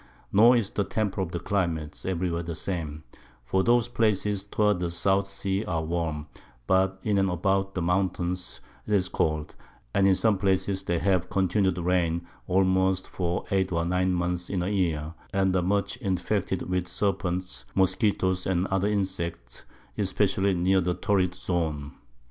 Nor is the Temper of the Climate every where the same, for those Places towards the South Sea are warm, but in and about the Mountains 'tis cold; and in some places they have continu'd Rains almost for 8 or 9 months in a Year, and are much infected with Serpents, Moskitto's, and other Insects, especially near the Torrid Zone.